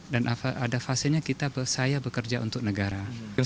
dan ada fasenya saya bekerja untuk negara